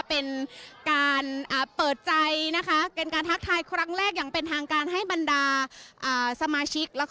เป็นการเปิดใจนะคะเป็นการทักทายครั้งแรกอย่างเป็นทางการให้บรรดาสมาชิก